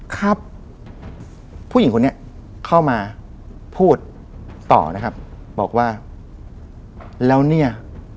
ครับผู้หญิงคนนี้เข้ามาพูดต่อนะครับบอกว่าแล้วเนี่ย